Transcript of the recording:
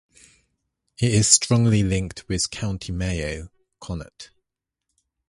It is strongly linked with County Mayo, Connacht.